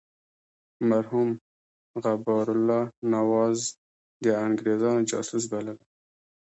مرحوم غبار الله نواز د انګرېزانو جاسوس بللی.